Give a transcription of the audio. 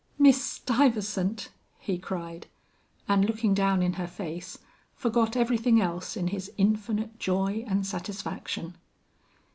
"Miss Stuyvesant!" he cried, and looking down in her face, forgot everything else in his infinite joy and satisfaction.